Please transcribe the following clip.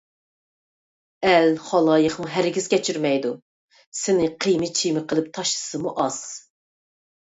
ئەل - خالايىقمۇ ھەرگىز كەچۈرمەيدۇ! سېنى قىيما - چىيما قىلىپ تاشلىسىمۇ ئاز!